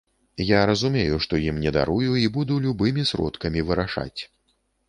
Я разумею, што ім не дарую і буду любымі сродкамі вырашаць.